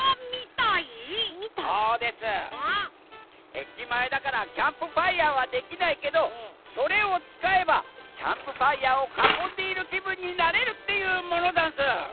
駅前だからキャンプファイヤーはできないけどそれをつかえばキャンプファイヤーをかこんでいるきぶんになれるっていうものざんす！